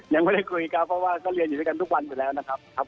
ยังไม่ได้คุยครับเพราะว่าก็เรียนอยู่ด้วยกันทุกวันอยู่แล้วนะครับ